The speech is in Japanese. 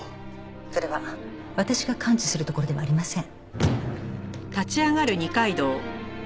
それは私が関知するところではありません。